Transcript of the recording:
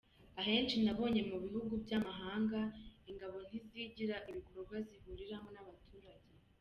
Ahenshi nabonye mu bihugu by’amahanga, ingabo ntizigira ibikorwa zihuriramo n’abaturage.